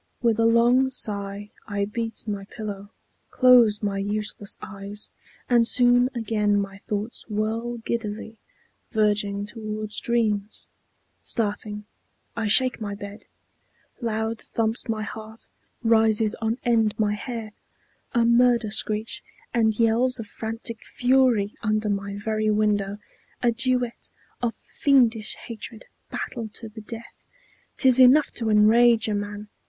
With a long sigh, I beat my pillow, close my useless eyes, And soon again my thoughts whirl giddily, Verging towards dreams. Starting, I shake my bed; Loud thumps my heart, rises on end my hair! A murder screech, and yells of frantic fury, Under my very window, a duet Of fiendish hatred, battle to the death, 'T is enough to enrage a man!